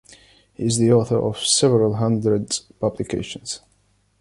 He is the author of several hundred publications.